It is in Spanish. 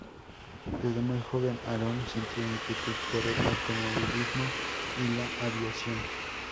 Desde muy joven Aarón sintió inquietud por el automovilismo y la aviación.